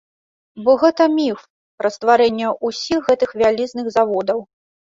Бо гэта міф пра стварэнне ўсіх гэтых вялізных заводаў.